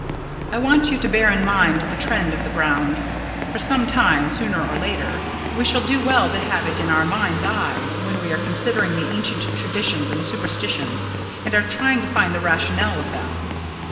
I want you to bear in mind the trend of the ground, for some time, sooner or later, we shall do well to have it in our mind's eye when we are considering the ancient traditions and superstitions, and are trying to find the rationale of them.